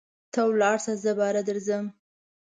ته ولاړسه زه باره درځم.